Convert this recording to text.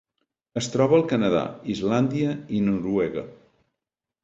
Es troba al Canadà, Islàndia i Noruega.